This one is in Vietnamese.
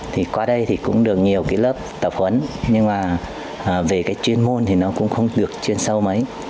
thì qua đây thì cũng được nhiều cái lớp tập huấn nhưng mà về cái chuyên môn thì nó cũng không được chuyên sâu mấy